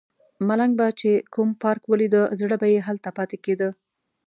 ملنګ به چې کوم پارک ولیده زړه به یې هلته پاتې کیده.